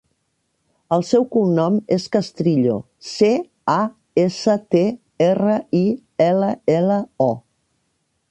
El seu cognom és Castrillo: ce, a, essa, te, erra, i, ela, ela, o.